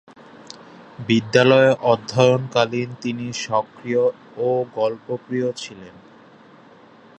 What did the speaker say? বিদ্যালয়ে অধ্যয়নকালীন তিনি সক্রিয় ও গল্পপ্রিয় ছিলেন।